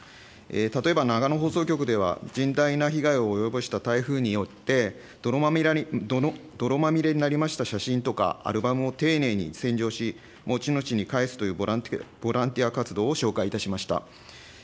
例えば長野放送局では、甚大な被害を及ぼした台風によって、泥まみれになりました写真とかアルバムを丁寧に洗浄し、持ち主に返すというボランティア活動を紹介いたしました。